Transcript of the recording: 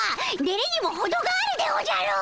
デレにもほどがあるでおじゃる！